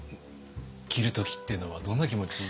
切る時っていうのはどんな気持ち？